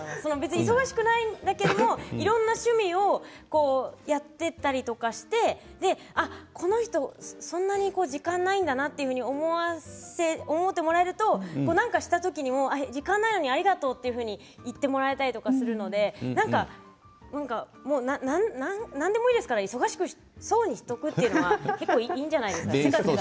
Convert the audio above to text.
忙しくないんだけどいろいろな趣味をやったりしてこの人そんなに時間がないんだなって思ってもらえると何かした時にも時間がないのにありがとうって言ってもらえたりするので何でもいいですから忙しそうにしておくというのは結構いいんじゃないですかね。